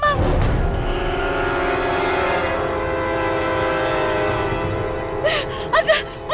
mak ada apa nih mbak